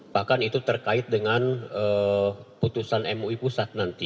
bahkan itu terkait dengan putusan mui pusat nanti